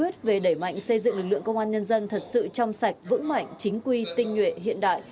thật sự trong sạch vững mạnh chính quy tinh nhuệ hiện đại